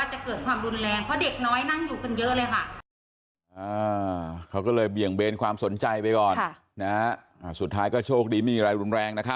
หนูเห็นท่านไปดีหนูก็เลยพูดไปว่ากะติกน้ำอยู่ร้านนั้นเอง